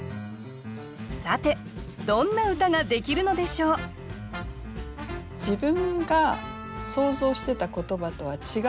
さてどんな歌ができるのでしょう自分が想像してた言葉とは違う言葉が相手から返ってきます。